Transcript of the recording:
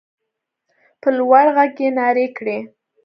په لوړ غږ يې نارې کړې.